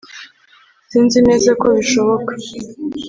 sinzi neza ko bishoboka